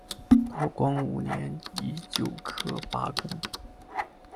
道光五年乙酉科拔贡。